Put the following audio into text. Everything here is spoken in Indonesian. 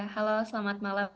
halo selamat malam semuanya